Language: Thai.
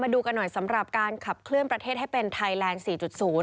ดูกันหน่อยสำหรับการขับเคลื่อนประเทศให้เป็นไทยแลนด์๔๐